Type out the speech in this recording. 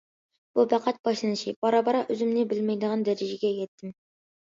بۇ پەقەت باشلىنىشى، بارا- بارا ئۆزۈمنى بىلمەيدىغان دەرىجىگە يەتتىم.